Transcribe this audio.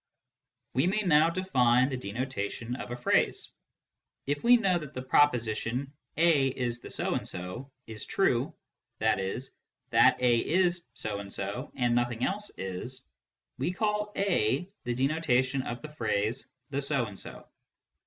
We may now define the denotation of a phrase. If we know that the proposition " a is the so and so " is true, i.e. that a is so and so and nothing else is, we call a the denotation of the phrase " the so and so."